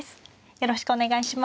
よろしくお願いします。